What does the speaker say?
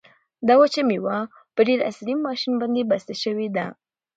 دا وچه مېوه په ډېر عصري ماشین باندې بسته شوې ده.